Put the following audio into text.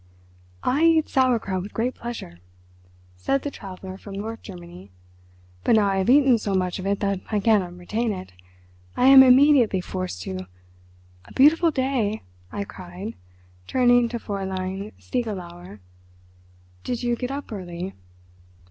"I eat sauerkraut with great pleasure," said the Traveller from North Germany, "but now I have eaten so much of it that I cannot retain it. I am immediately forced to—" "A beautiful day," I cried, turning to Fräulein Stiegelauer. "Did you get up early?"